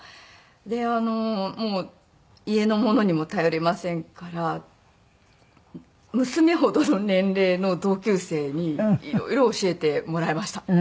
で家の者にも頼れませんから娘ほどの年齢の同級生に色々教えてもらいました。